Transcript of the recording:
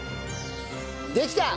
できた！